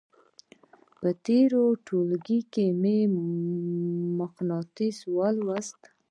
په تېرو ټولګیو کې مو مقناطیس ولوستل.